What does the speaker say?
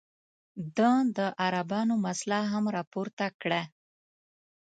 ده د عربانو مسله هم راپورته کړه.